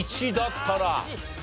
１だったら。